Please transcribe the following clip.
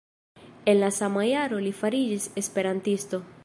En la sama jaro li fariĝis esperantisto.